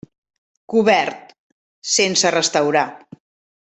Cobert: sense restaurar.